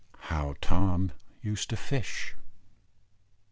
HOW TOM USED TO FISH.